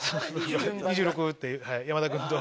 ２６って山田君と。